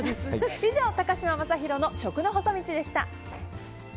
以上高嶋政宏の食の細道でした。